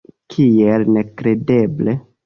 Kiel nekredeble!